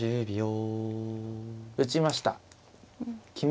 １０秒。